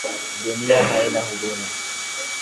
Dunia haina huruma